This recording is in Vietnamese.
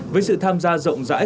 với sự tham gia rộng rãi